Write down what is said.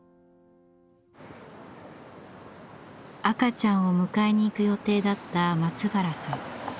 赤ちゃんを迎えに行く予定だった松原さん。